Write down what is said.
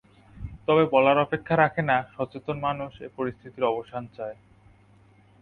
তবে বলার অপেক্ষা রাখে না সচেতন মানুষ এ পরিস্থিতির অবসান চায়।